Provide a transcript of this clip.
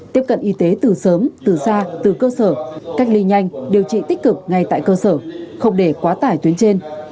tiếp cận y tế từ sớm từ xa từ cơ sở cách ly nhanh điều trị tích cực ngay tại cơ sở không để quá tải tuyến trên